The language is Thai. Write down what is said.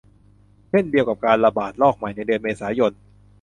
เช่นเดียวกับการระบาดระลอกใหม่ในเดือนเมษายน